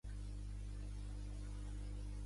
Peresa aquí a can Serra.